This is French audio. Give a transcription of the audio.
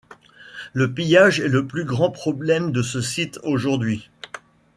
Le pillage est le plus grand problème de ce site aujourd'hui.